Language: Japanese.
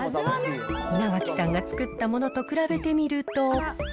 稲垣さんが作ったものと比べてみると。